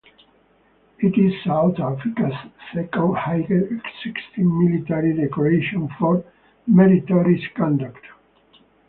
It is South Africa's second highest existing military decoration for meritorious conduct.